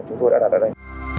chúng tôi đã đặt ở đây